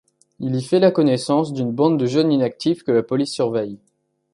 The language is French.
Il y fait la connaissance d'une bande de jeunes inactifs que la police surveille.